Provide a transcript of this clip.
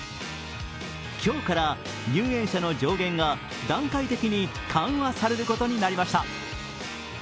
今日から入園者の上限が段階的に緩和されることになりました。